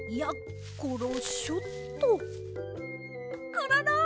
コロロ！